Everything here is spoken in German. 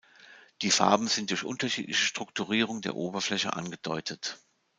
Die Farben sind durch unterschiedliche Strukturierung der Oberfläche angedeutet.